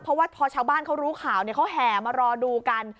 เพราะว่าพอชาวบ้านเขารู้ข่าวเขาแห่มารอดูกัน